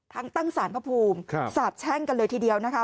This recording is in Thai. ทั้งตั้งสารพระภูมิสาบแช่งกันเลยทีเดียวนะคะ